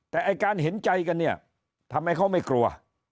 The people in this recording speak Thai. แต่การเห็นใจกันทำไมเขาไม่กลัว